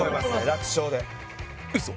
楽勝で嘘！？